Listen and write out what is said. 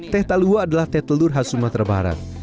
teh talua adalah teh telur khas sumatera barat